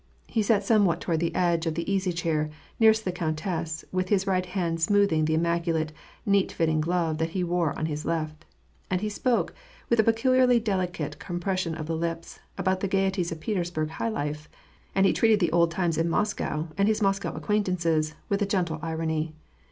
He sat somewhat toward the edge of the easy chair, nearest the countess, with his right hand smoothing the immaculate, neat fitting glove that he wore on his left, and he spoke, with a peculiarly delicate compression of the lips, about the gayeties of Petersburg high life, and he treated the old times in Moscow, and his Moscow acquaintances, with a gentle irony.